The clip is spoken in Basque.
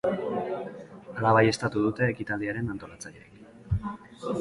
Hala baieztatu dute ekitaldiaren antolatzaileek.